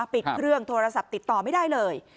ปิดเครื่องโทรศัพท์ติดต่อไม่ได้เลย